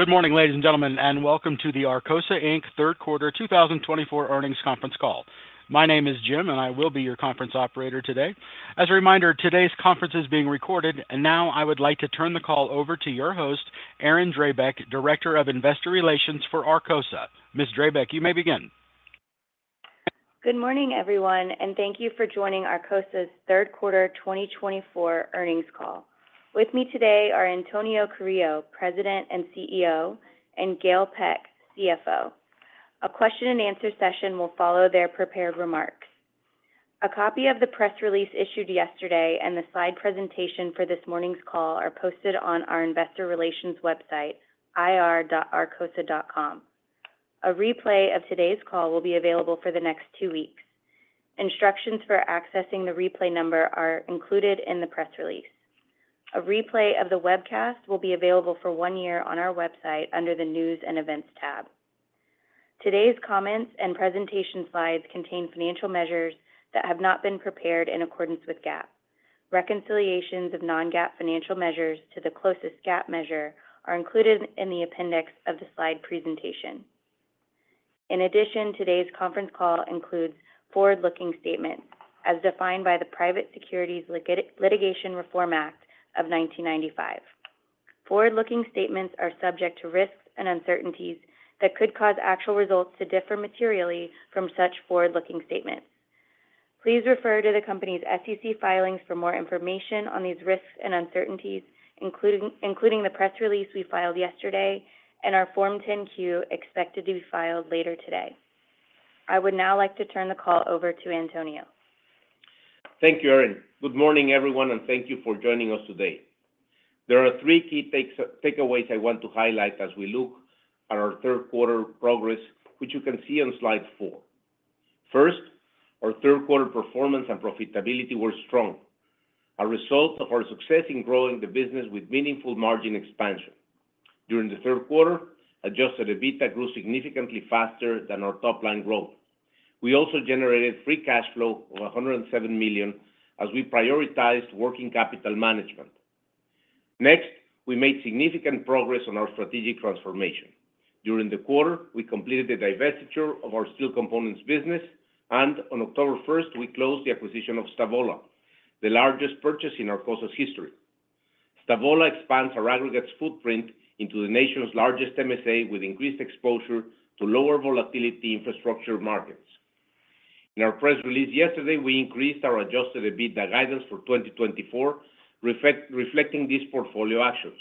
Good morning, ladies and gentlemen, and welcome to the Arcosa Inc. Third Quarter 2024 Earnings Conference Call. My name is Jim, and I will be your conference operator today. As a reminder, today's conference is being recorded, and now I would like to turn the call over to your host, Erin Drabek, Director of Investor Relations for Arcosa. Ms. Drabek, you may begin. Good morning, everyone, and thank you for joining Arcosa's Third Quarter 2024 Earnings Call. With me today are Antonio Carrillo, President and CEO, and Gail Peck, CFO. A question-and-answer session will follow their prepared remarks. A copy of the press release issued yesterday and the slide presentation for this morning's call are posted on our investor relations website, ir.arcosa.com. A replay of today's call will be available for the next two weeks. Instructions for accessing the replay number are included in the press release. A replay of the webcast will be available for one year on our website under the News and Events tab. Today's comments and presentation slides contain financial measures that have not been prepared in accordance with GAAP. Reconciliations of non-GAAP financial measures to the closest GAAP measure are included in the appendix of the slide presentation. In addition, today's conference call includes forward-looking statements, as defined by the Private Securities Litigation Reform Act of 1995. Forward-looking statements are subject to risks and uncertainties that could cause actual results to differ materially from such forward-looking statements. Please refer to the company's SEC filings for more information on these risks and uncertainties, including the press release we filed yesterday and our Form 10-Q expected to be filed later today. I would now like to turn the call over to Antonio. Thank you, Erin. Good morning, everyone, and thank you for joining us today. There are three key takeaways I want to highlight as we look at our third quarter progress, which you can see on slide four. First, our third quarter performance and profitability were strong, a result of our success in growing the business with meaningful margin expansion. During the third quarter, Adjusted EBITDA grew significantly faster than our top-line growth. We also generated Free Cash Flow of $107 million as we prioritized working capital management. Next, we made significant progress on our strategic transformation. During the quarter, we completed the divestiture of our Steel Components business, and on October 1st, we closed the acquisition of Stavola, the largest purchase in Arcosa's history. Stavola expands our Aggregates footprint into the nation's largest MSA with increased exposure to lower volatility infrastructure markets. In our press release yesterday, we increased our Adjusted EBITDA guidance for 2024, reflecting these portfolio actions.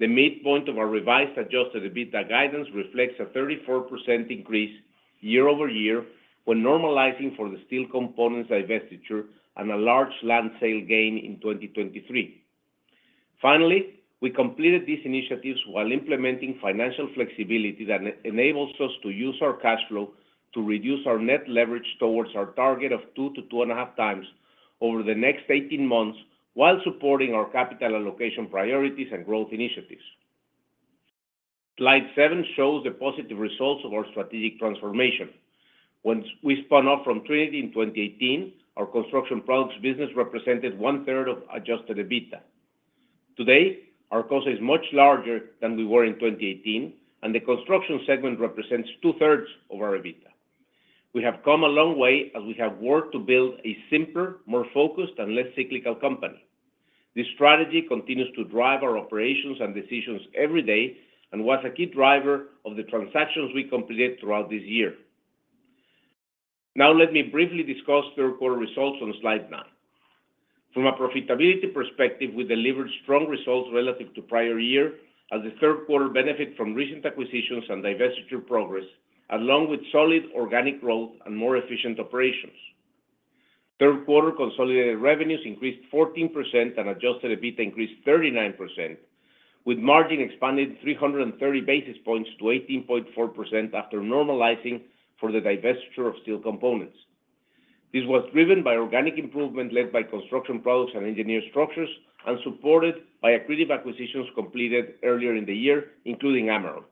The midpoint of our revised Adjusted EBITDA guidance reflects a 34% increase year over year when normalizing for the Steel Components divestiture and a large land sale gain in 2023. Finally, we completed these initiatives while implementing financial flexibility that enables us to use our cash flow to reduce our net leverage towards our target of two to two and a half times over the next 18 months while supporting our capital allocation priorities and growth initiatives. Slide seven shows the positive results of our strategic transformation. When we spun off from Trinity Construction Products business represented one-third of Adjusted EBITDA. Today, Arcosa is much larger than we were in 2018, and the Construction segment represents two-thirds of our EBITDA. We have come a long way as we have worked to build a simpler, more focused, and less cyclical company. This strategy continues to drive our operations and decisions every day and was a key driver of the transactions we completed throughout this year. Now, let me briefly discuss third quarter results on slide nine. From a profitability perspective, we delivered strong results relative to prior year as the third quarter benefited from recent acquisitions and divestiture progress, along with solid organic growth and more efficient operations. Third quarter consolidated revenues increased 14% and Adjusted EBITDA increased 39%, with margin expanded 330 basis points to 18.4% after normalizing for the divestiture of steel components. This was driven by organic Construction Products and engineered structures and supported by accretive acquisitions completed earlier in the year, including Ameron.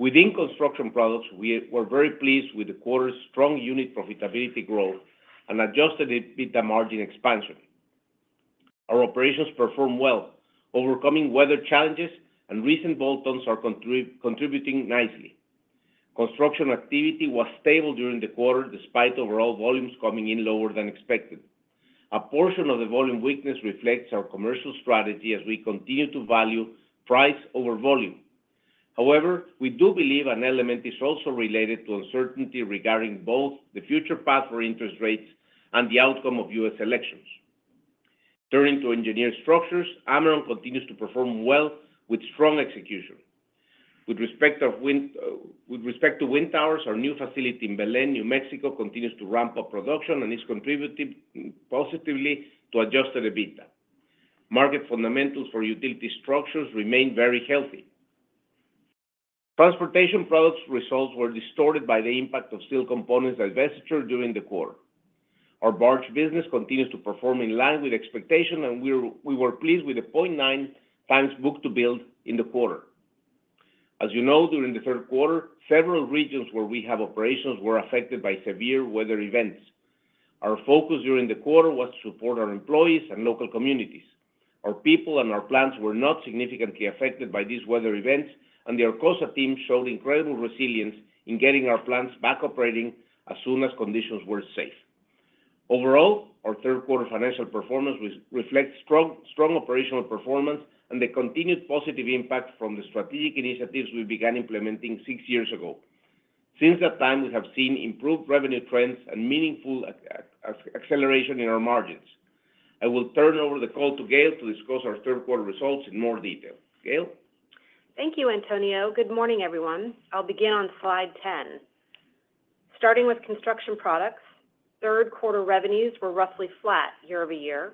Construction Products, we were very pleased with the quarter's strong unit profitability growth and Adjusted EBITDA margin expansion. Our operations performed well, overcoming weather challenges, and recent bolt-ons are contributing nicely. Construction activity was stable during the quarter despite overall volumes coming in lower than expected. A portion of the volume weakness reflects our commercial strategy as we continue to value price over volume. However, we do believe an element is also related to uncertainty regarding both the future path for interest rates and the outcome of U.S. elections. Turning to Engineered Structures, Ameron continues to perform well with strong execution. With respect to wind towers, our new facility in Belen, New Mexico, continues to ramp up production and is contributing positively to Adjusted EBITDA. Market fundamentals for utility structures remain very healthy. Transportation Products results were distorted by the impact of steel components divestiture during the quarter. Our barge business continues to perform in line with expectation, and we were pleased with the 0.9x book-to-bill in the quarter. As you know, during the third quarter, several regions where we have operations were affected by severe weather events. Our focus during the quarter was to support our employees and local communities. Our people and our plants were not significantly affected by these weather events, and the Arcosa team showed incredible resilience in getting our plants back operating as soon as conditions were safe. Overall, our third quarter financial performance reflects strong operational performance and the continued positive impact from the strategic initiatives we began implementing six years ago. Since that time, we have seen improved revenue trends and meaningful acceleration in our margins. I will turn over the call to Gail to discuss our third quarter results in more detail. Gail? Thank you, Antonio. Good morning, everyone. I'll begin on slide Construction Products, third quarter revenues were roughly flat year over year.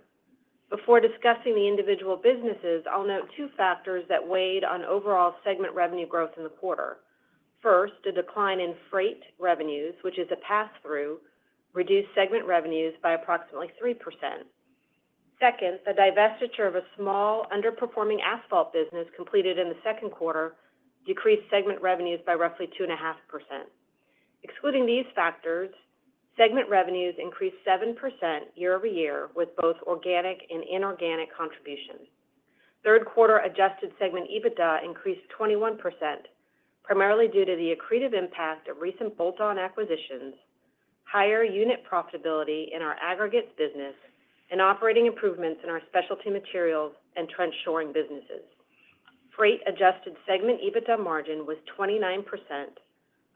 Before discussing the individual businesses, I'll note two factors that weighed on overall segment revenue growth in the quarter. First, a decline in freight revenues, which is a pass-through, reduced segment revenues by approximately 3%. Second, the divestiture of a small underperforming asphalt business completed in the second quarter decreased segment revenues by roughly 2.5%. Excluding these factors, segment revenues increased 7% year over year with both organic and inorganic contributions. Third quarter adjusted segment EBITDA increased 21%, primarily due to the accretive impact of recent bolt-on acquisitions, higher unit profitability in our aggregates business, and operating improvements in our specialty materials and trench shoring businesses. Freight-adjusted segment EBITDA margin was 29%,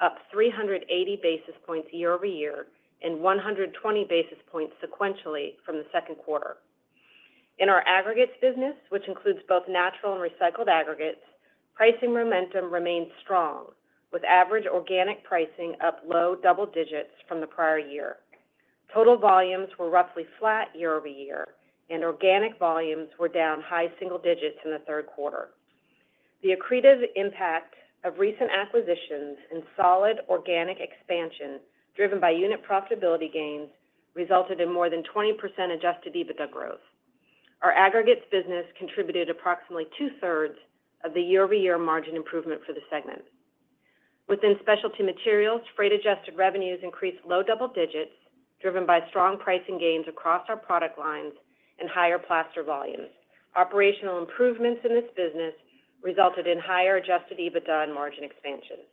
up 380 basis points year over year and 120 basis points sequentially from the second quarter. In our aggregates business, which includes both natural and recycled aggregates, pricing momentum remained strong, with average organic pricing up low double digits from the prior year. Total volumes were roughly flat year over year, and organic volumes were down high single digits in the third quarter. The accretive impact of recent acquisitions and solid organic expansion driven by unit profitability gains resulted in more than 20% adjusted EBITDA growth. Our aggregates business contributed approximately two-thirds of the year-over-year margin improvement for the segment. Within specialty materials, freight-adjusted revenues increased low double digits driven by strong pricing gains across our product lines and higher plaster volumes. Operational improvements in this business resulted in higher adjusted EBITDA and margin expansion.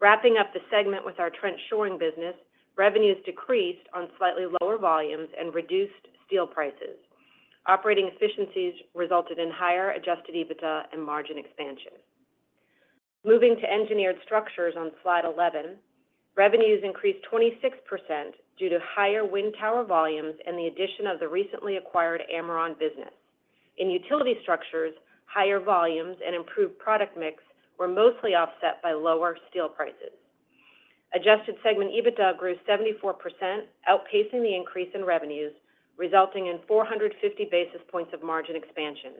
Wrapping up the segment with our Trench Shoring business, revenues decreased on slightly lower volumes and reduced steel prices. Operating efficiencies resulted in higher Adjusted EBITDA and margin expansion. Moving to Engineered Structures on slide 11, revenues increased 26% due to higher wind tower volumes and the addition of the recently acquired Ameron business. In Utility Structures, higher volumes and improved product mix were mostly offset by lower steel prices. Adjusted segment EBITDA grew 74%, outpacing the increase in revenues, resulting in 450 basis points of margin expansion.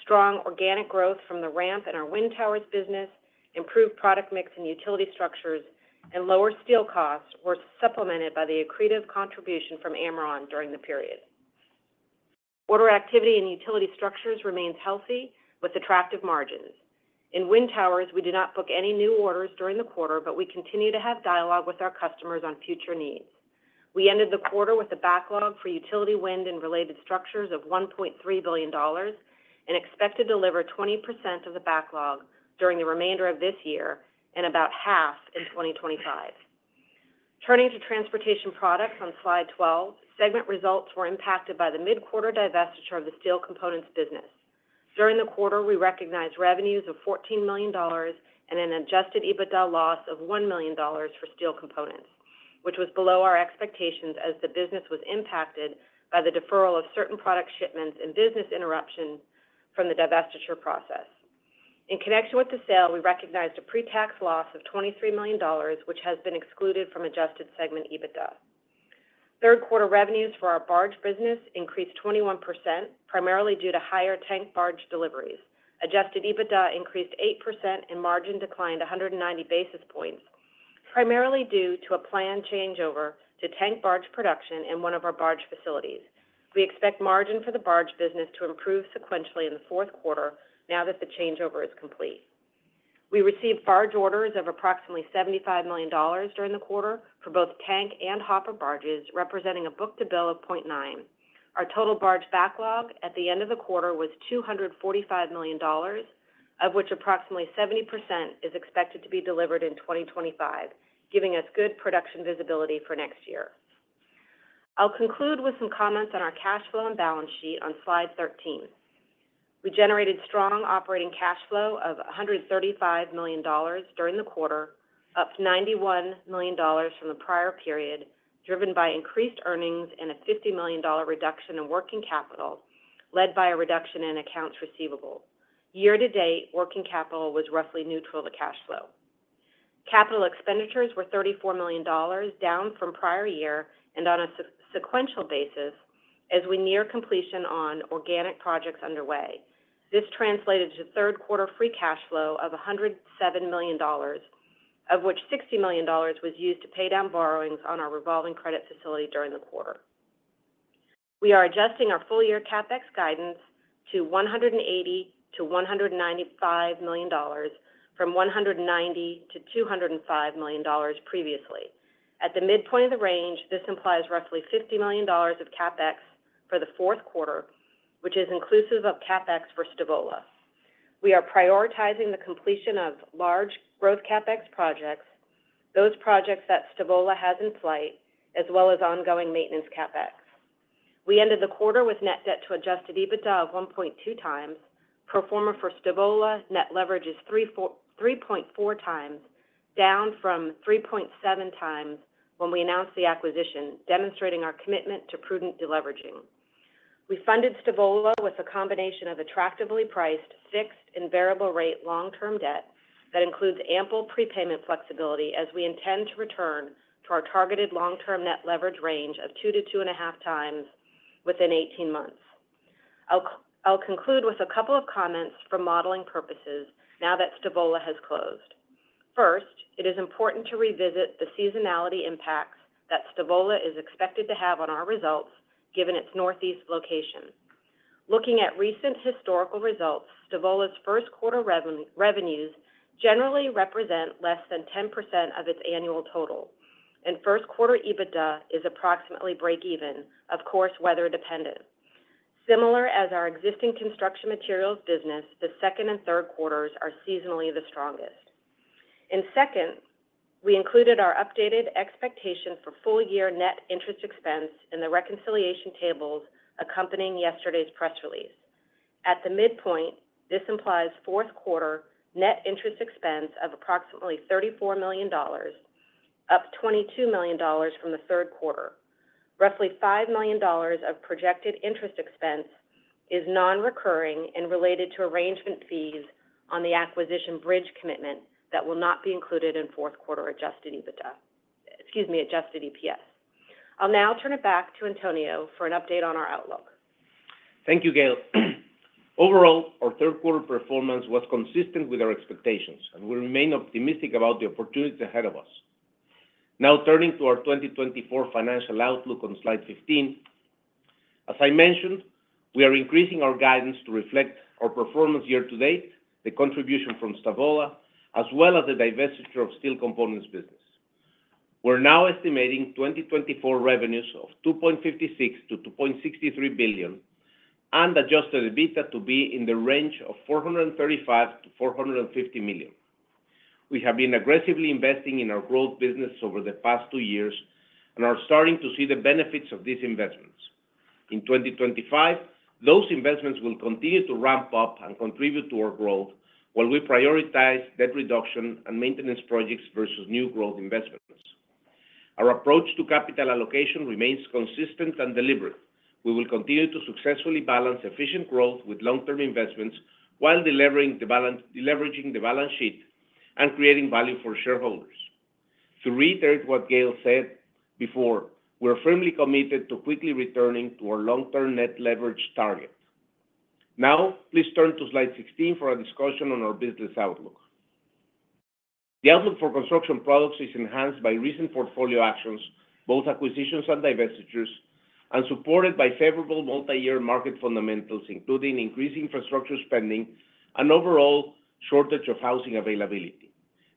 Strong organic growth from the ramp in our wind towers business, improved product mix in Utility Structures, and lower steel costs were supplemented by the accretive contribution from Ameron during the period. Order activity in Utility Structures remains healthy with attractive margins. In wind towers, we do not book any new orders during the quarter, but we continue to have dialogue with our customers on future needs. We ended the quarter with a backlog for utility wind and related structures of $1.3 billion and expected to deliver 20% of the backlog during the remainder of this year and about half in 2025. Turning to Transportation Products on slide 12, segment results were impacted by the mid-quarter divestiture of the steel components business. During the quarter, we recognized revenues of $14 million and an adjusted EBITDA loss of $1 million for steel components, which was below our expectations as the business was impacted by the deferral of certain product shipments and business interruption from the divestiture process. In connection with the sale, we recognized a pre-tax loss of $23 million, which has been excluded from adjusted segment EBITDA. Third quarter revenues for our barge business increased 21%, primarily due to higher tank barge deliveries. Adjusted EBITDA increased 8% and margin declined 190 basis points, primarily due to a planned changeover to tank barge production in one of our barge facilities. We expect margin for the barge business to improve sequentially in the fourth quarter now that the changeover is complete. We received barge orders of approximately $75 million during the quarter for both tank and hopper barges, representing a book-to-bill of 0.9. Our total barge backlog at the end of the quarter was $245 million, of which approximately 70% is expected to be delivered in 2025, giving us good production visibility for next year. I'll conclude with some comments on our cash flow and balance sheet on slide 13. We generated strong operating cash flow of $135 million during the quarter, up $91 million from the prior period, driven by increased earnings and a $50 million reduction in working capital led by a reduction in accounts receivable. Year to date, working capital was roughly neutral to cash flow. Capital expenditures were $34 million, down from prior year and on a sequential basis as we near completion on organic projects underway. This translated to third quarter free cash flow of $107 million, of which $60 million was used to pay down borrowings on our revolving credit facility during the quarter. We are adjusting our full-year CapEx guidance to $180-$195 million from $190-$205 million previously. At the midpoint of the range, this implies roughly $50 million of CapEx for the fourth quarter, which is inclusive of CapEx for Stavola. We are prioritizing the completion of large growth CapEx projects, those projects that Stavola has in play, as well as ongoing maintenance CapEx. We ended the quarter with net debt to Adjusted EBITDA of 1.2 times. Pro forma for Stavola Net Leverage is 3.4x, down from 3.7 times when we announced the acquisition, demonstrating our commitment to prudent deleveraging. We funded Stavola with a combination of attractively priced fixed and variable rate long-term debt that includes ample prepayment flexibility as we intend to return to our targeted long-term Net Leverage range of 2 to 2.5 times within 18 months. I'll conclude with a couple of comments for modeling purposes now that Stavola has closed. First, it is important to revisit the seasonality impacts that Stavola is expected to have on our results given its Northeast location. Looking at recent historical results, Stavola's first quarter revenues generally represent less than 10% of its annual total, and first quarter EBITDA is approximately break-even, of course, weather-dependent. Similar as our existing construction materials business, the second and third quarters are seasonally the strongest. In second, we included our updated expectation for full-year net interest expense in the reconciliation tables accompanying yesterday's press release. At the midpoint, this implies fourth quarter net interest expense of approximately $34 million, up $22 million from the third quarter. Roughly $5 million of projected interest expense is non-recurring and related to arrangement fees on the acquisition bridge commitment that will not be included in fourth quarter adjusted EBITDA. Excuse me, adjusted EPS. I'll now turn it back to Antonio for an update on our outlook. Thank you, Gail. Overall, our third quarter performance was consistent with our expectations, and we remain optimistic about the opportunities ahead of us. Now, turning to our 2024 financial outlook on slide 15, as I mentioned, we are increasing our guidance to reflect our performance year to date, the contribution from Stavola, as well as the divestiture of steel components business. We're now estimating 2024 revenues of $2.56-$2.63 billion and Adjusted EBITDA to be in the range of $435-$450 million. We have been aggressively investing in our growth business over the past two years and are starting to see the benefits of these investments. In 2025, those investments will continue to ramp up and contribute to our growth while we prioritize debt reduction and maintenance projects versus new growth investments. Our approach to capital allocation remains consistent and deliberate. We will continue to successfully balance efficient growth with long-term investments while delivering the balance sheet and creating value for shareholders. To reiterate what Gail said before, we're firmly committed to quickly returning to our long-term net leverage target. Now, please turn to slide 16 for a discussion on our business outlook. Construction Products is enhanced by recent portfolio actions, both acquisitions and divestitures, and supported by favorable multi-year market fundamentals, including increasing infrastructure spending and overall shortage of housing availability.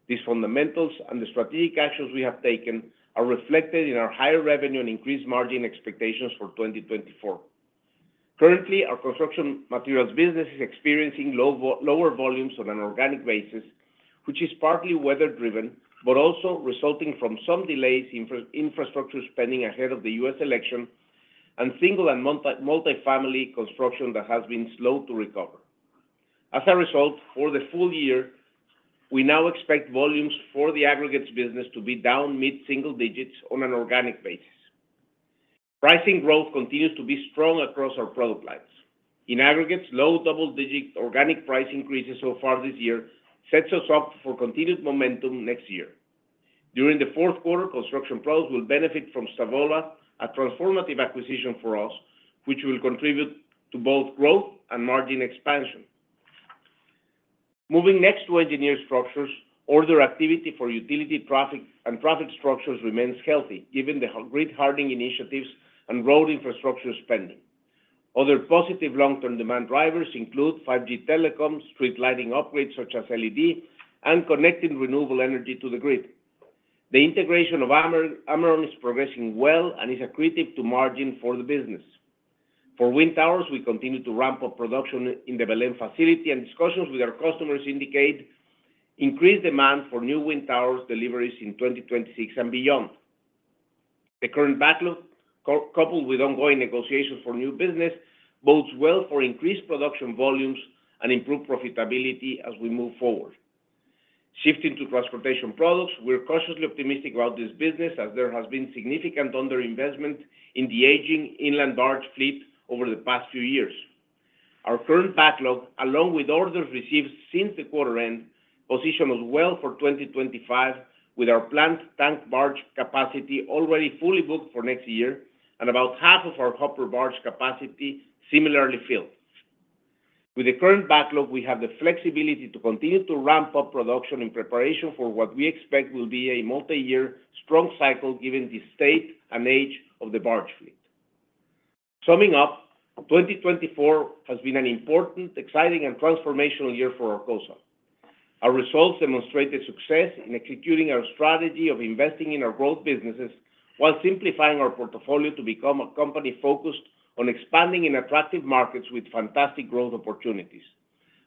These fundamentals and the strategic actions we have taken are reflected in our higher revenue and increased margin expectations for 2024. Currently, our construction materials business is experiencing lower volumes on an organic basis, which is partly weather-driven, but also resulting from some delays in infrastructure spending ahead of the U.S. election and single and multifamily construction that has been slow to recover. As a result, for the full year, we now expect volumes for the aggregates business to be down mid-single digits on an organic basis. Pricing growth continues to be strong across our product lines. In aggregates, low double-digit organic price increases so far this year set us up for continued momentum next year. During Construction Products will benefit from Stavola, a transformative acquisition for us, which will contribute to both growth and margin expansion. Moving next to Engineered Structures, order activity for utility structures and traffic structures remains healthy given the grid hardening initiatives and road infrastructure spending. Other positive long-term demand drivers include 5G telecoms, street lighting upgrades such as LED, and connecting renewable energy to the grid. The integration of Ameron is progressing well and is accretive to margin for the business. For wind towers, we continue to ramp up production in the Belen facility, and discussions with our customers indicate increased demand for new wind tower deliveries in 2026 and beyond. The current backlog, coupled with ongoing negotiations for new business, bodes well for increased production volumes and improved profitability as we move forward. Shifting to Transportation Products, we're cautiously optimistic about this business as there has been significant underinvestment in the aging inland barge fleet over the past few years. Our current backlog, along with orders received since the quarter end, positions us well for 2025 with our planned tank barge capacity already fully booked for next year and about half of our hopper barge capacity similarly filled. With the current backlog, we have the flexibility to continue to ramp up production in preparation for what we expect will be a multi-year strong cycle given the state and age of the barge fleet. Summing up, 2024 has been an important, exciting, and transformational year for Arcosa. Our results demonstrate the success in executing our strategy of investing in our growth businesses while simplifying our portfolio to become a company focused on expanding in attractive markets with fantastic growth opportunities.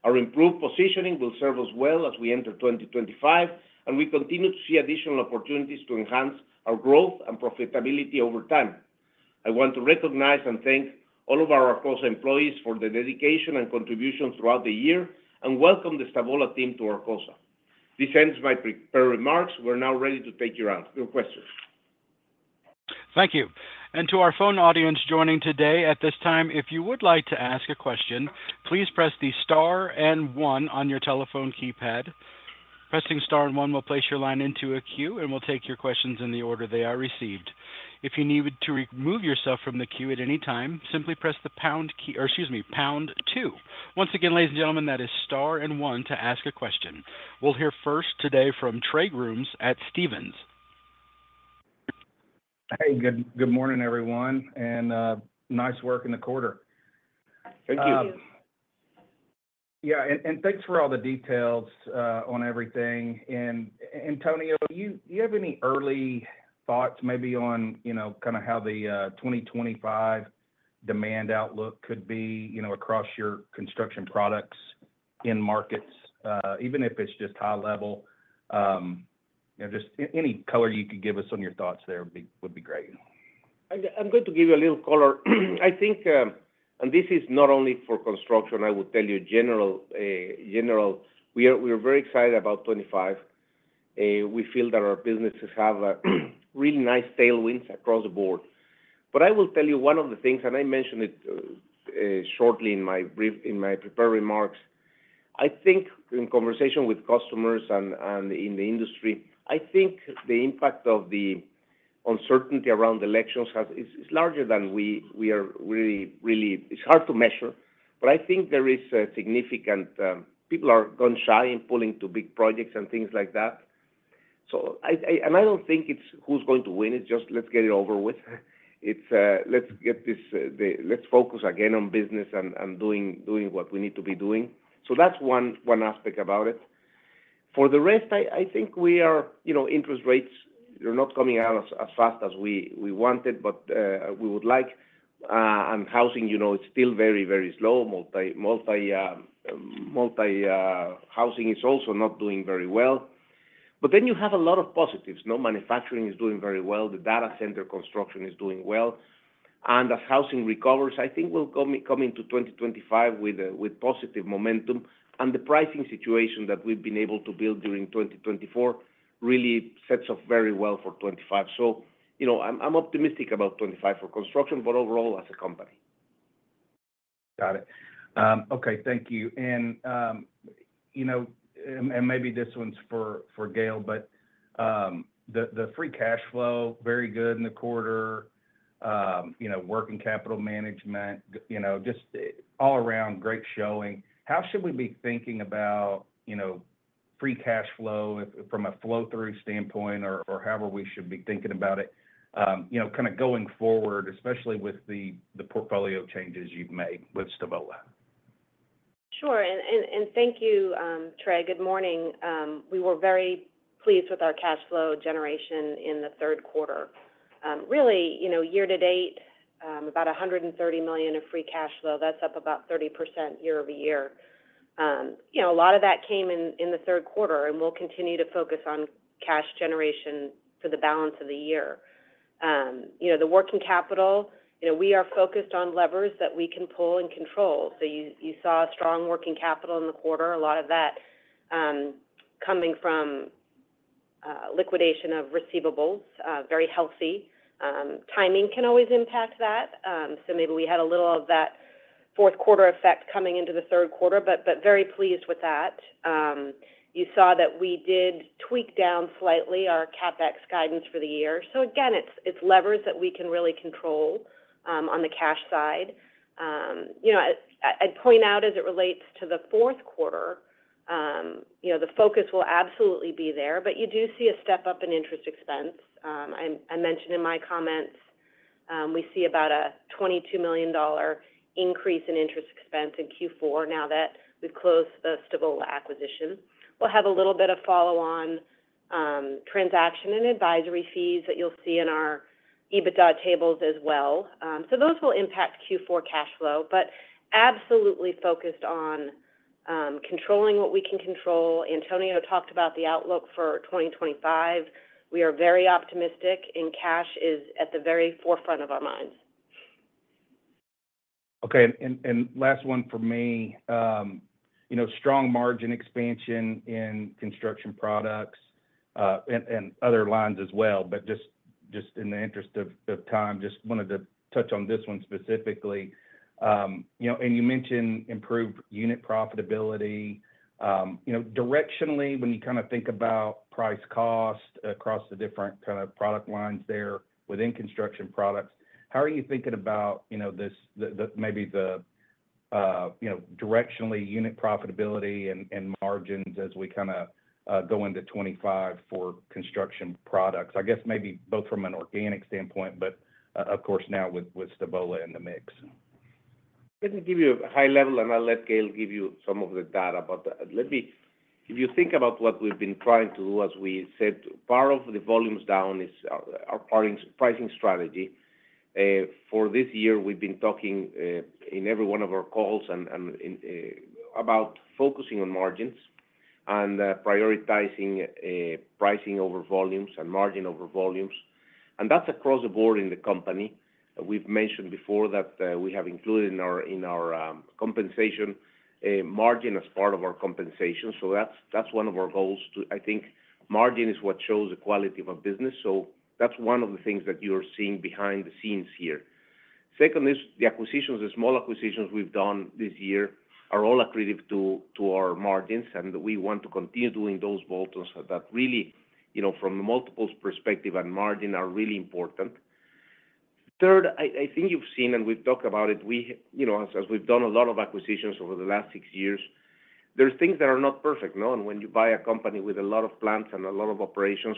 Our improved positioning will serve us well as we enter 2025, and we continue to see additional opportunities to enhance our growth and profitability over time. I want to recognize and thank all of our Arcosa employees for the dedication and contribution throughout the year and welcome the Stavola team to Arcosa. This ends my prepared remarks. We're now ready to take your questions. Thank you. And to our phone audience joining today at this time, if you would like to ask a question, please press the star and one on your telephone keypad. Pressing star and one will place your line into a queue, and we'll take your questions in the order they are received. If you need to remove yourself from the queue at any time, simply press the pound key or, excuse me, pound two. Once again, ladies and gentlemen, that is star and one to ask a question. We'll hear first today from Trey Grooms at Stephens. Hey, good morning, everyone, and nice work in the quarter. Thank you. Yeah, and thanks for all the details on everything. And Antonio, do you have any early thoughts maybe on kind of how the 2025 demand outlook could Construction Products in markets, even if it's just high level? Just any color you could give us on your thoughts there would be great. I'm going to give you a little color. I think, and this is not only for construction, I would tell you general, we're very excited about 2025. We feel that our businesses have really nice tailwinds across the board. But I will tell you one of the things, and I mentioned it shortly in my prepared remarks. I think in conversation with customers and in the industry, I think the impact of the uncertainty around elections is larger than we are really, really. It's hard to measure. But I think there is a significant. People are gun-shy in pulling to big projects and things like that. And I don't think it's who's going to win. It's just, let's get it over with. Let's get this. Let's focus again on business and doing what we need to be doing. So that's one aspect about it. For the rest, I think we are. Interest rates are not coming out as fast as we wanted, but we would like, and housing is still very, very slow. Multi-housing is also not doing very well, but then you have a lot of positives. Manufacturing is doing very well. The data center construction is doing well, and as housing recovers, I think we'll come into 2025 with positive momentum, and the pricing situation that we've been able to build during 2024 really sets up very well for 2025, so I'm optimistic about 2025 for construction, but overall as a company. Got it. Okay, thank you. And maybe this one's for Gail, but the free cash flow, very good in the quarter, working capital management, just all around great showing. How should we be thinking about free cash flow from a flow-through standpoint or however we should be thinking about it kind of going forward, especially with the portfolio changes you've made with Stavola? Sure. And thank you, Trey. Good morning. We were very pleased with our cash flow generation in the third quarter. Really, year to date, about $130 million of free cash flow. That's up about 30% year over year. A lot of that came in the third quarter, and we'll continue to focus on cash generation for the balance of the year. The working capital, we are focused on levers that we can pull and control. So you saw strong working capital in the quarter, a lot of that coming from liquidation of receivables, very healthy. Timing can always impact that. So maybe we had a little of that fourth quarter effect coming into the third quarter, but very pleased with that. You saw that we did tweak down slightly our CapEx guidance for the year. So again, it's levers that we can really control on the cash side. I'd point out as it relates to the fourth quarter, the focus will absolutely be there, but you do see a step up in interest expense. I mentioned in my comments we see about a $22 million increase in interest expense in Q4 now that we've closed the Stavola acquisition. We'll have a little bit of follow-on transaction and advisory fees that you'll see in our EBITDA tables as well. So those will impact Q4 cash flow, but absolutely focused on controlling what we can control. Antonio talked about the outlook for 2025. We are very optimistic, and cash is at the very forefront of our minds. Okay. And last one for me, strong Construction Products and other lines as well. But just in the interest of time, just wanted to touch on this one specifically. And you mentioned improved unit profitability. Directionally, when you kind of think about price-cost across the different kind of product Construction Products, how are you thinking about maybe the directionally unit profitability and margins as we kind of go Construction Products? i guess maybe both from an organic standpoint, but of course now with Stavola in the mix. Let me give you a high level, and I'll let Gail give you some of the data. But let me, if you think about what we've been trying to do, as we said, part of the volumes down is our pricing strategy. For this year, we've been talking in every one of our calls about focusing on margins and prioritizing pricing over volumes and margin over volumes. And that's across the board in the company. We've mentioned before that we have included in our compensation margin as part of our compensation. So that's one of our goals. I think margin is what shows the quality of a business. So that's one of the things that you're seeing behind the scenes here. Second is the acquisitions, the small acquisitions we've done this year are all accretive to our margins, and we want to continue doing those bolt-ons that really, from the multiples perspective and margin, are really important. Third, I think you've seen, and we've talked about it, as we've done a lot of acquisitions over the last six years, there are things that are not perfect, and when you buy a company with a lot of plants and a lot of operations,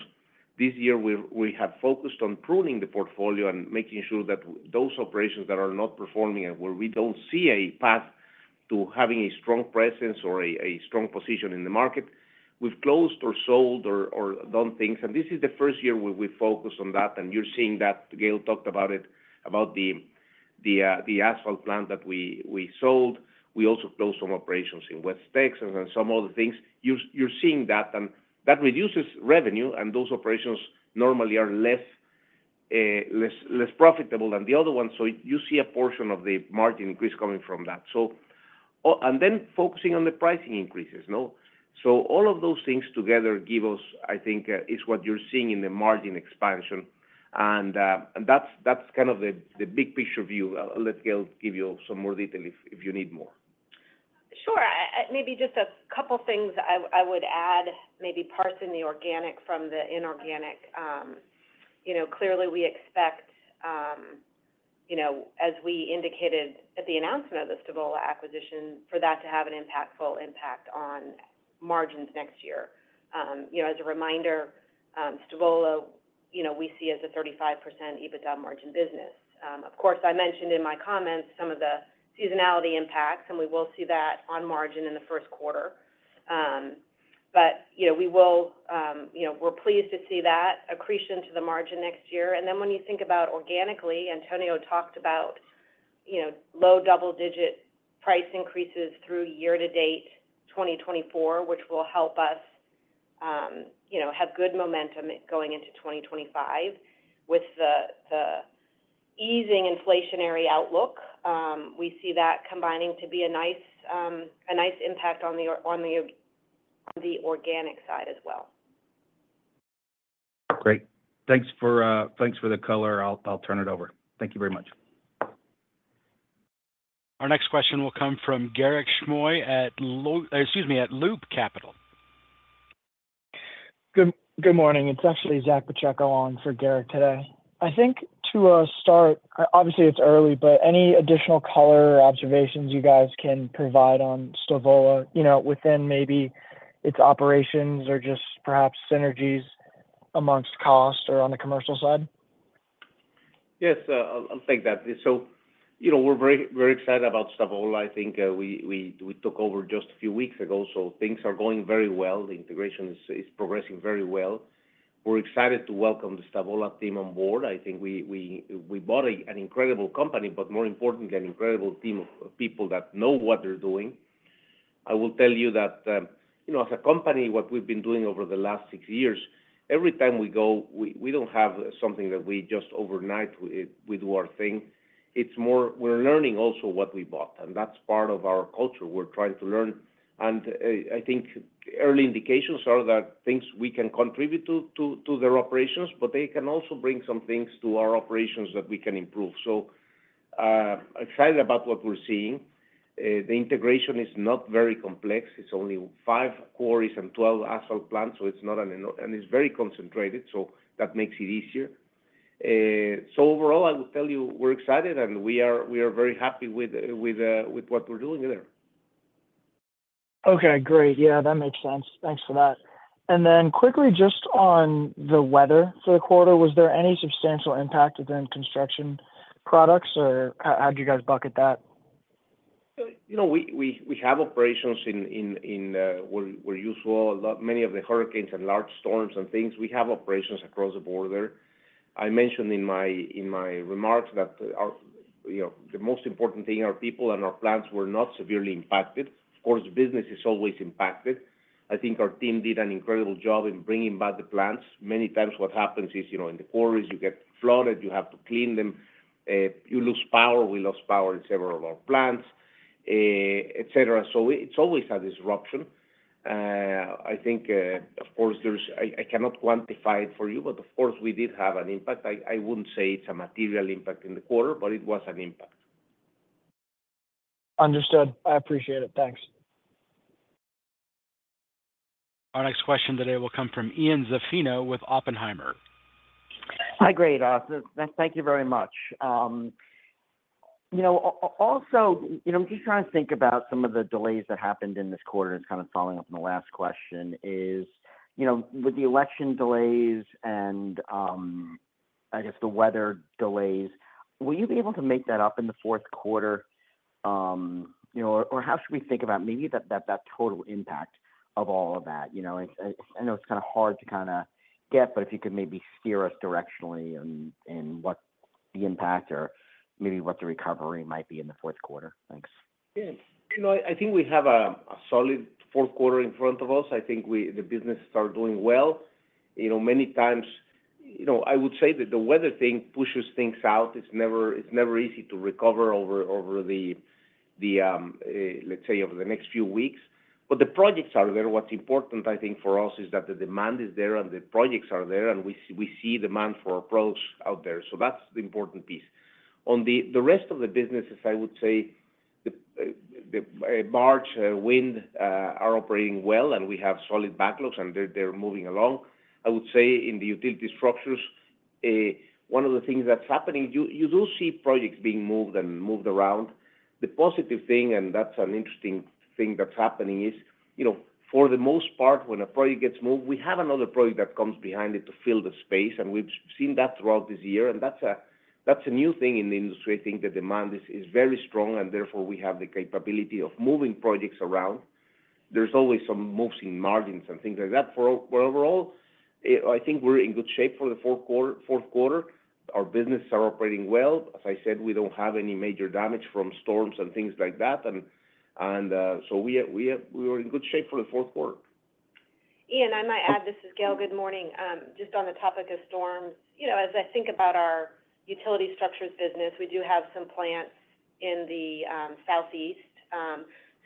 this year we have focused on pruning the portfolio and making sure that those operations that are not performing and where we don't see a path to having a strong presence or a strong position in the market, we've closed or sold or done things, and this is the first year we focused on that, and you're seeing that. Gail talked about it, about the asphalt plant that we sold. We also closed some operations in West Texas and some other things. You're seeing that, and that reduces revenue, and those operations normally are less profitable than the other ones. So you see a portion of the margin increase coming from that. And then focusing on the pricing increases. So all of those things together give us, I think, is what you're seeing in the margin expansion. And that's kind of the big picture view. Let Gail give you some more detail if you need more. Sure. Maybe just a couple of things I would add, maybe parse the organic from the inorganic. Clearly, we expect, as we indicated at the announcement of the Stavola acquisition, for that to have an impactful impact on margins next year. As a reminder, Stavola, we see as a 35% EBITDA margin business. Of course, I mentioned in my comments some of the seasonality impacts, and we will see that on margin in the first quarter. But we're pleased to see that accretion to the margin next year. And then when you think about organically, Antonio talked about low double-digit price increases through year to date 2024, which will help us have good momentum going into 2025. With the easing inflationary outlook, we see that combining to be a nice impact on the organic side as well. Great. Thanks for the color. I'll turn it over. Thank you very much. Our next question will come from Garik Shmois at, excuse me, at Loop Capital. Good morning. It's actually Zach Fachek along for Garik today. I think to start, obviously it's early, but any additional color or observations you guys can provide on Stavola within maybe its operations or just perhaps synergies amongst cost or on the commercial side? Yes, I'll take that. So we're very excited about Stavola. I think we took over just a few weeks ago, so things are going very well. The integration is progressing very well. We're excited to welcome the Stavola team on board. I think we bought an incredible company, but more importantly, an incredible team of people that know what they're doing. I will tell you that as a company, what we've been doing over the last six years, every time we go, we don't have something that we just overnight. We do our thing. It's more we're learning also what we bought, and that's part of our culture. We're trying to learn. And I think early indications are that things we can contribute to their operations, but they can also bring some things to our operations that we can improve. So excited about what we're seeing. The integration is not very complex. It's only five quarries and 12 asphalt plants, so it's not an—and it's very concentrated, so that makes it easier. So overall, I would tell you we're excited, and we are very happy with what we're doing there. Okay, great. Yeah, that makes sense. Thanks for that. And then quickly, just on the weather for the quarter, was there any Construction Products, or how did you guys bucket that? So we have operations as usual, many of the hurricanes and large storms and things. We have operations across the border. I mentioned in my remarks that the most important thing are people and our plants were not severely impacted. Of course, business is always impacted. I think our team did an incredible job in bringing back the plants. Many times what happens is in the quarries, you get flooded, you have to clean them, you lose power. We lost power in several of our plants, etc. So it's always a disruption. I think, of course, there's - I cannot quantify it for you, but of course, we did have an impact. I wouldn't say it's a material impact in the quarter, but it was an impact. Understood. I appreciate it. Thanks. Our next question today will come from Ian Zaffino with Oppenheimer. Hi, great. Thank you very much. Also, I'm just trying to think about some of the delays that happened in this quarter. It's kind of following up on the last question, which is with the erection delays and, I guess, the weather delays. Will you be able to make that up in the fourth quarter? Or how should we think about maybe that total impact of all of that? I know it's kind of hard to kind of get, but if you could maybe steer us directionally in what the impact or maybe what the recovery might be in the fourth quarter. Thanks. Yeah. I think we have a solid fourth quarter in front of us. I think the business is doing well. Many times, I would say that the weather thing pushes things out. It's never easy to recover over the, let's say, over the next few weeks. But the projects are there. What's important, I think, for us is that the demand is there and the projects are there, and we see demand for our products out there. So that's the important piece. On the rest of the businesses, I would say the marine, wind are operating well, and we have solid backlogs, and they're moving along. I would say in the utility structures, one of the things that's happening, you do see projects being moved and moved around. The positive thing, and that's an interesting thing that's happening, is for the most part, when a project gets moved, we have another project that comes behind it to fill the space, and we've seen that throughout this year. And that's a new thing in the industry. I think the demand is very strong, and therefore we have the capability of moving projects around. There's always some moves in margins and things like that. But overall, I think we're in good shape for the fourth quarter. Our businesses are operating well. As I said, we don't have any major damage from storms and things like that. And so we were in good shape for the fourth quarter. Ian, I might add, this is Gail. Good morning. Just on the topic of storms, as I think about our utility structures business, we do have some plants in the Southeast.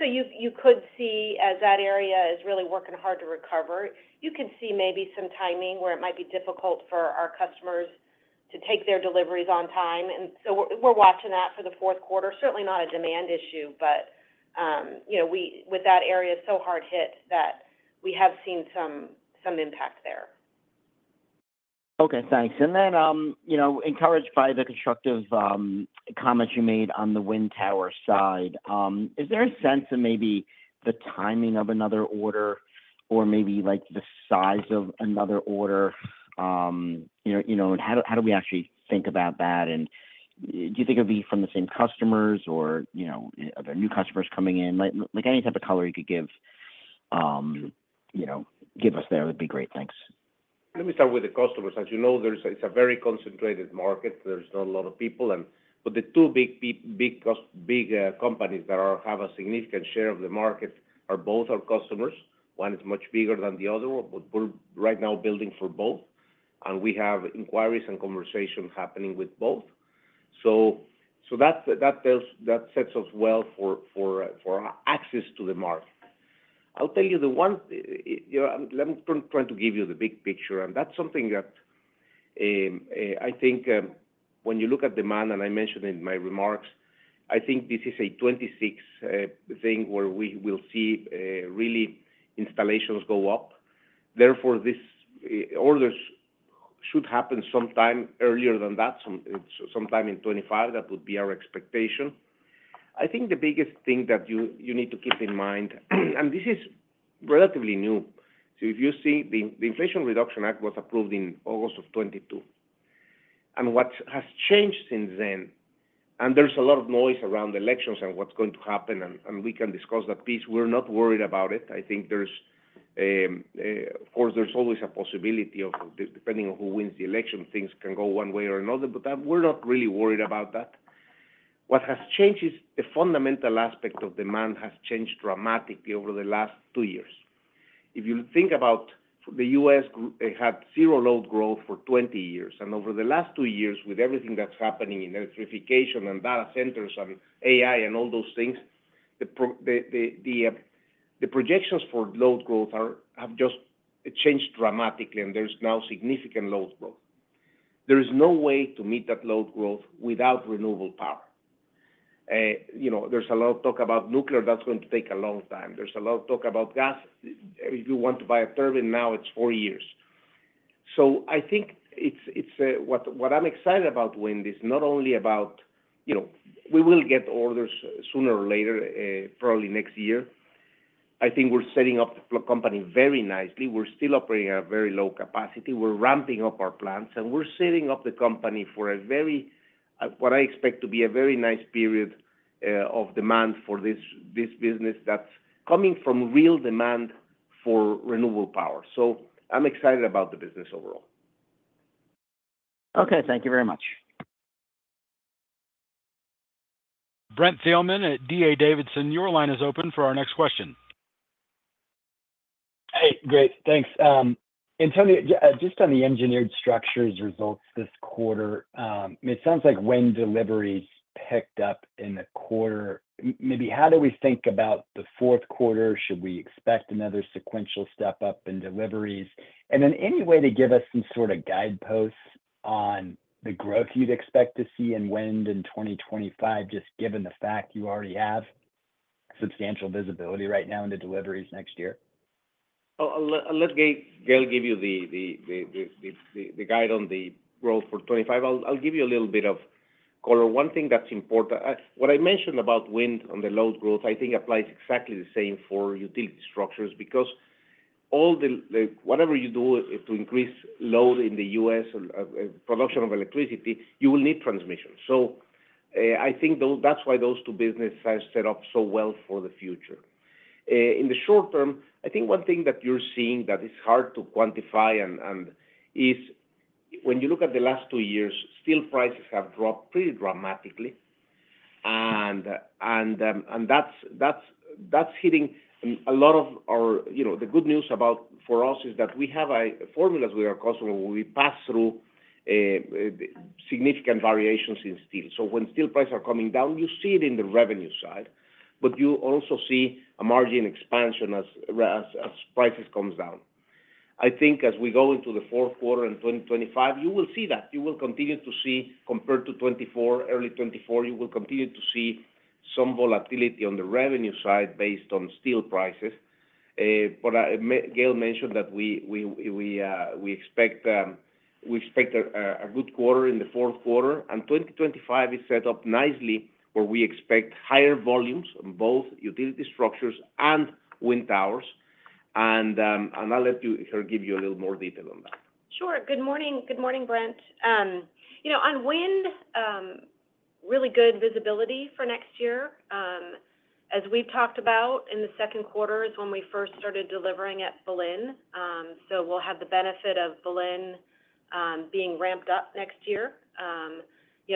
So you could see as that area is really working hard to recover, you can see maybe some timing where it might be difficult for our customers to take their deliveries on time. And so we're watching that for the fourth quarter. Certainly not a demand issue, but with that area so hard hit that we have seen some impact there. Okay. Thanks. And then encouraged by the constructive comments you made on the wind tower side, is there a sense of maybe the timing of another order or maybe the size of another order? How do we actually think about that? And do you think it would be from the same customers or are there new customers coming in? Any type of color you could give us there, that'd be great. Thanks. Let me start with the customers. As you know, it's a very concentrated market. There's not a lot of people. But the two big companies that have a significant share of the market are both our customers. One is much bigger than the other, but we're right now building for both. And we have inquiries and conversations happening with both. So that sets us well for access to the market. I'll tell you the one. Let me try to give you the big picture, and that's something that I think when you look at demand, and I mentioned in my remarks, I think this is a 2026 thing where we will see really installations go up. Therefore, these orders should happen sometime earlier than that, sometime in 2025. That would be our expectation. I think the biggest thing that you need to keep in mind, and this is relatively new. So if you see the Inflation Reduction Act was approved in August of 2022. And what has changed since then, and there's a lot of noise around elections and what's going to happen, and we can discuss that piece. We're not worried about it. I think, of course, there's always a possibility of, depending on who wins the election, things can go one way or another, but we're not really worried about that. What has changed is the fundamental aspect of demand has changed dramatically over the last two years. If you think about the U.S., it had zero load growth for 20 years. And over the last two years, with everything that's happening in electrification and data centers and AI and all those things, the projections for load growth have just changed dramatically, and there's now significant load growth. There is no way to meet that load growth without renewable power. There's a lot of talk about nuclear that's going to take a long time. There's a lot of talk about gas. If you want to buy a turbine, now it's four years. So I think what I'm excited about wind is not only about we will get orders sooner or later, probably next year. I think we're setting up the company very nicely. We're still operating at a very low capacity. We're ramping up our plants, and we're setting up the company for a very, what I expect to be a very nice period of demand for this business that's coming from real demand for renewable power. So I'm excited about the business overall. Okay. Thank you very much. Brent Thielman at DA Davidson, your line is open for our next question. Hey. Great. Thanks. Antonio, just on the Engineered Structures results this quarter, it sounds like wind deliveries picked up in the quarter. Maybe how do we think about the fourth quarter? Should we expect another sequential step up in deliveries? And then any way to give us some sort of guideposts on the growth you'd expect to see in wind in 2025, just given the fact you already have substantial visibility right now into deliveries next year? I'll let Gail give you the guide on the growth for 2025. I'll give you a little bit of color. One thing that's important, what I mentioned about wind on the load growth, I think applies exactly the same for utility structures because whatever you do to increase load in the U.S., production of electricity, you will need transmission. So I think that's why those two businesses have set up so well for the future. In the short term, I think one thing that you're seeing that is hard to quantify is when you look at the last two years, steel prices have dropped pretty dramatically. And that's hitting a lot of our—the good news for us is that we have a formula as we are customers. We pass through significant variations in steel. So when steel prices are coming down, you see it in the revenue side, but you also see a margin expansion as prices come down. I think as we go into the fourth quarter in 2025, you will see that. You will continue to see compared to 2024, early 2024, you will continue to see some volatility on the revenue side based on steel prices. But Gail mentioned that we expect a good quarter in the fourth quarter. And 2025 is set up nicely where we expect higher volumes on both utility structures and wind towers. And I'll let her give you a little more detail on that. Sure. Good morning. Good morning, Brent. On wind, really good visibility for next year. As we've talked about, in the second quarter is when we first started delivering at Belen. So we'll have the benefit of Belen being ramped up next year.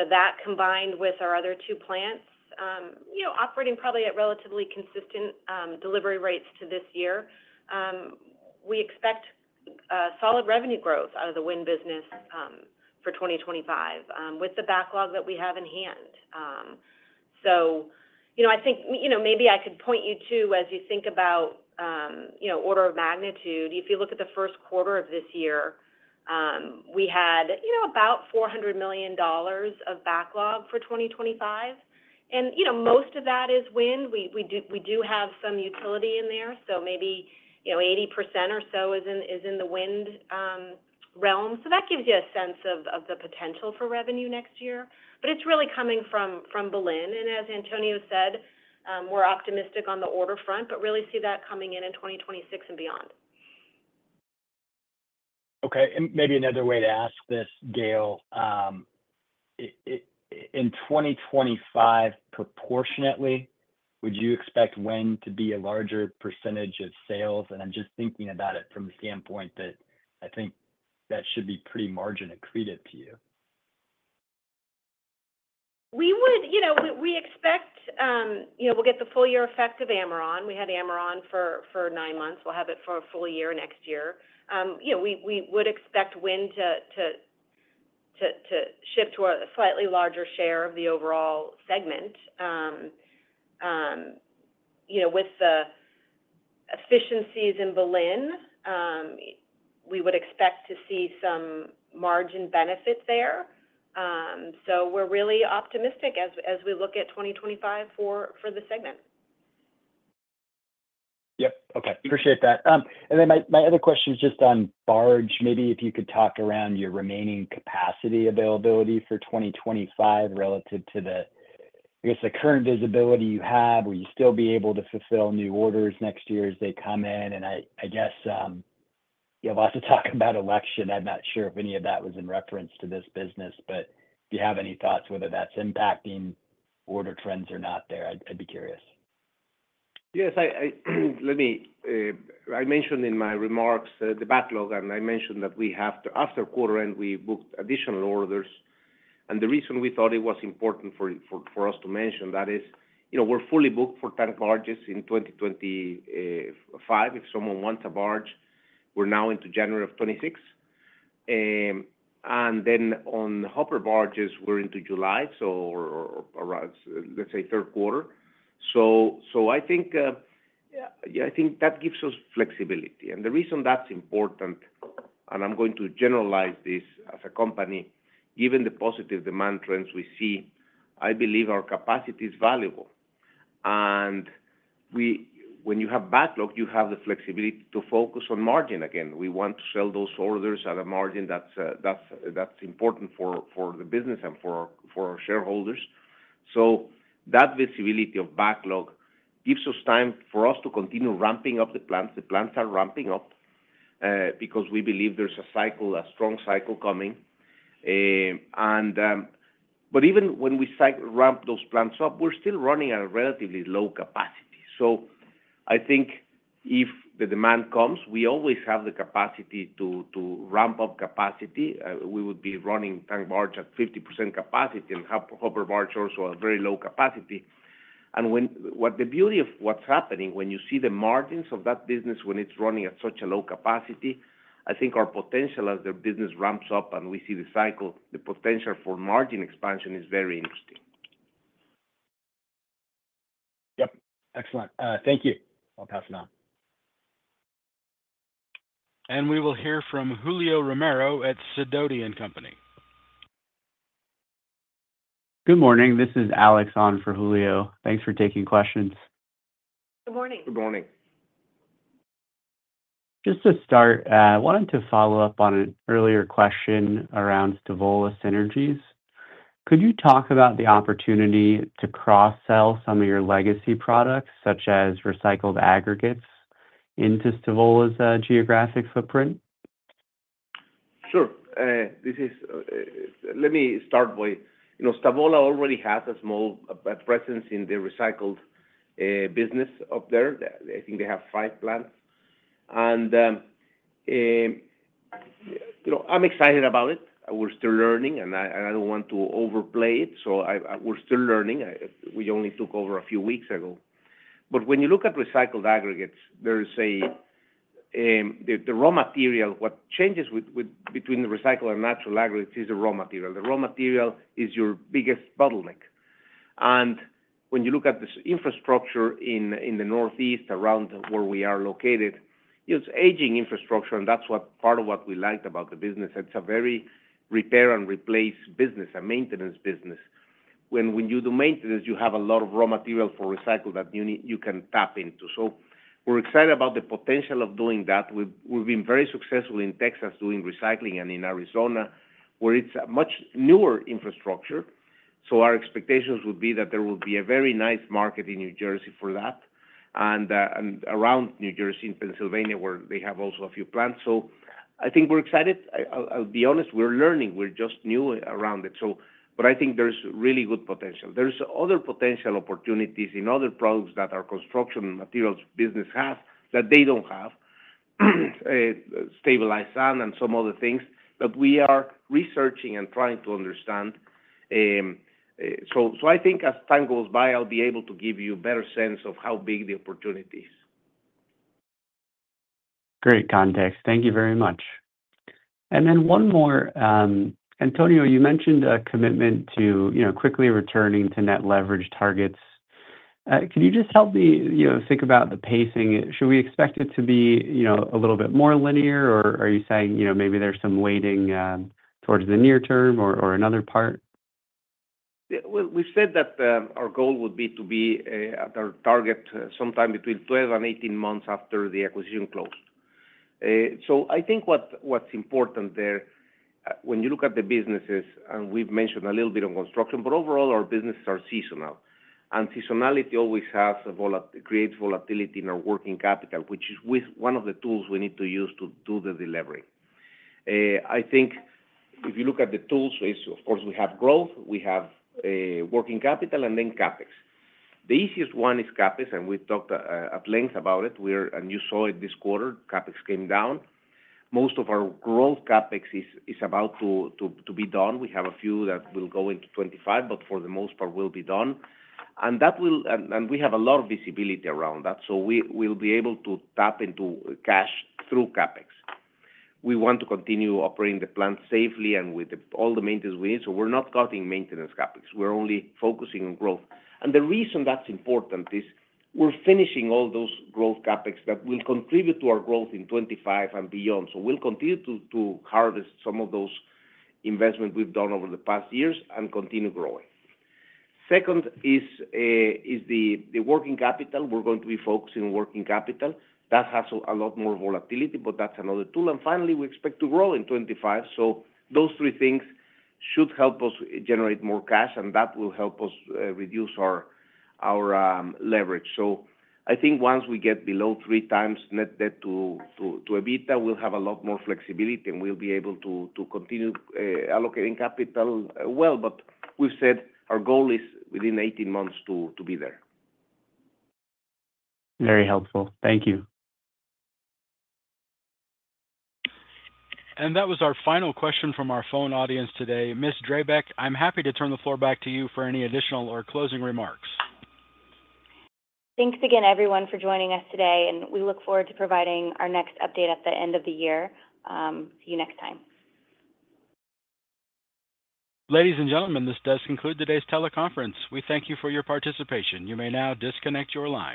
That combined with our other two plants operating probably at relatively consistent delivery rates to this year, we expect solid revenue growth out of the wind business for 2025 with the backlog that we have in hand. So I think maybe I could point you to, as you think about order of magnitude, if you look at the first quarter of this year, we had about $400 million of backlog for 2025. And most of that is wind. We do have some utility in there, so maybe 80% or so is in the wind realm. So that gives you a sense of the potential for revenue next year. It's really coming from Belen. As Antonio said, we're optimistic on the order front, but really see that coming in 2026 and beyond. Okay. And maybe another way to ask this, Gail. In 2025, proportionately, would you expect wind to be a larger percentage of sales? And I'm just thinking about it from the standpoint that I think that should be pretty margin accretive to you. We would. We expect we'll get the full year effect of Ameron. We had Ameron for nine months. We'll have it for a full year next year. We would expect wind to shift to a slightly larger share of the overall segment. With the efficiencies in Belen, we would expect to see some margin benefit there. So we're really optimistic as we look at 2025 for the segment. Yep. Okay. Appreciate that. And then my other question is just on barge. Maybe if you could talk around your remaining capacity availability for 2025 relative to the, I guess, the current visibility you have. Will you still be able to fulfill new orders next year as they come in? And I guess you have lots to talk about election. I'm not sure if any of that was in reference to this business, but if you have any thoughts whether that's impacting order trends or not there, I'd be curious. Yes. I mentioned in my remarks the backlog, and I mentioned that after quarter end, we booked additional orders. The reason we thought it was important for us to mention that is we're fully booked for tank barges in 2025. If someone wants a barge, we're now into January of 2026. Then on hopper barges, we're into July, so let's say third quarter. That gives us flexibility. The reason that's important, and I'm going to generalize this as a company, given the positive demand trends we see, I believe our capacity is valuable. When you have backlog, you have the flexibility to focus on margin again. We want to sell those orders at a margin that's important for the business and for our shareholders. That visibility of backlog gives us time for us to continue ramping up the plants. The plants are ramping up because we believe there's a cycle, a strong cycle coming. But even when we ramp those plants up, we're still running at a relatively low capacity. So I think if the demand comes, we always have the capacity to ramp up capacity. We would be running tank barge at 50% capacity and hopper barge also at very low capacity. And the beauty of what's happening when you see the margins of that business when it's running at such a low capacity, I think our potential as the business ramps up and we see the cycle, the potential for margin expansion is very interesting. Yep. Excellent. Thank you. I'll pass it on. We will hear from Julio Romero at Sidoti & Company. Good morning. This is Alex on for Julio. Thanks for taking questions. Good morning. Good morning. Just to start, I wanted to follow up on an earlier question around Stavola synergies. Could you talk about the opportunity to cross-sell some of your legacy products, such as recycled aggregates, into Stavola's geographic footprint? Sure. Let me start by Stavola already has a small presence in the recycled business up there. I think they have five plants. And I'm excited about it. We're still learning, and I don't want to overplay it. So we're still learning. We only took over a few weeks ago. But when you look at recycled aggregates, there is the raw material. What changes between the recycled and natural aggregates is the raw material. The raw material is your biggest bottleneck. And when you look at this infrastructure in the northeast around where we are located, it's aging infrastructure, and that's part of what we liked about the business. It's a very repair and replace business, a maintenance business. When you do maintenance, you have a lot of raw material for recycle that you can tap into. So we're excited about the potential of doing that. We've been very successful in Texas doing recycling and in Arizona, where it's a much newer infrastructure. So our expectations would be that there would be a very nice market in New Jersey for that and around New Jersey in Pennsylvania, where they have also a few plants. So I think we're excited. I'll be honest, we're learning. We're just new around it. But I think there's really good potential. There's other potential opportunities in other products that our construction materials business has that they don't have: stabilized sand and some other things that we are researching and trying to understand. So I think as time goes by, I'll be able to give you a better sense of how big the opportunity is. Great context. Thank you very much. And then one more. Antonio, you mentioned a commitment to quickly returning to net leverage targets. Can you just help me think about the pacing? Should we expect it to be a little bit more linear, or are you saying maybe there's some weighting towards the near term or another part? We said that our goal would be to be at our target sometime between 12 and 18 months after the acquisition closed. So I think what's important there, when you look at the businesses, and we've mentioned a little bit on construction, but overall, our businesses are seasonal. And seasonality always creates volatility in our working capital, which is one of the tools we need to use to do the delivery. I think if you look at the tools, of course, we have growth, we have working capital, and then CapEx. The easiest one is CapEx, and we've talked at length about it. And you saw it this quarter. CapEx came down. Most of our growth CapEx is about to be done. We have a few that will go into 2025, but for the most part, we'll be done. And we have a lot of visibility around that. So we'll be able to tap into cash through CapEx. We want to continue operating the plant safely and with all the maintenance we need. So we're not cutting maintenance CapEx. We're only focusing on growth. And the reason that's important is we're finishing all those growth CapEx that will contribute to our growth in 2025 and beyond. So we'll continue to harvest some of those investments we've done over the past years and continue growing. Second is the working capital. We're going to be focusing on working capital. That has a lot more volatility, but that's another tool. And finally, we expect to grow in 2025. So those three things should help us generate more cash, and that will help us reduce our leverage. So I think once we get below three times net debt to EBITDA, we'll have a lot more flexibility, and we'll be able to continue allocating capital well. But we've said our goal is within 18 months to be there. Very helpful. Thank you. That was our final question from our phone audience today. Ms. Drabek, I'm happy to turn the floor back to you for any additional or closing remarks. Thanks again, everyone, for joining us today, and we look forward to providing our next update at the end of the year. See you next time. Ladies and gentlemen, this does conclude today's teleconference. We thank you for your participation. You may now disconnect your line.